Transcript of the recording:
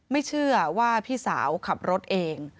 ไม่เชื่อว่าพี่สาวขับรถเอง